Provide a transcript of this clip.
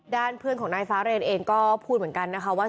ด้านเพื่อนของนายฟ้าเรนเองก็พูดเหมือนกันนะคะว่า